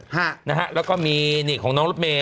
ฮะนะฮะแล้วก็มีนี่ของน้องรถเมย